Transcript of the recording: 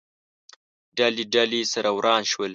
ډلې، ډلې، سره وران شول